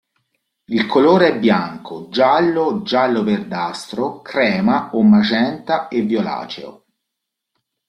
Il colore è bianco, giallo, giallo-verdastro, crema o magenta e violaceo.